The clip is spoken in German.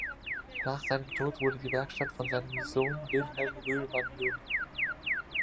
Nach seinem Tod wurde die Werkstatt von seinem Sohn Wilhelm Rühlmann jun.